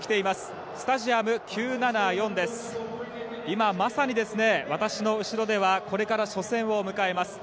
今まさに私の後ろではこれから初戦を迎えます